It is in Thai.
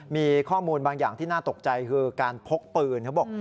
มีข้อมูลบางอย่างที่น่าตกใจคือการพกปืนเขาบอก